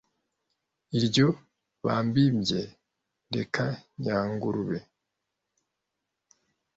Iryo bampimbye Rukenyangurube